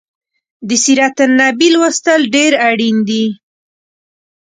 د سیرت النبي لوستل ډیر اړین دي